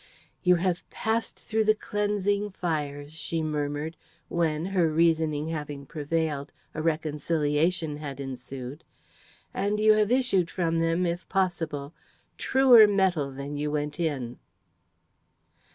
"You have passed through the cleansing fires," she murmured, when, her reasoning having prevailed, a reconciliation had ensued. "And you have issued from them, if possible, truer metal than you went in."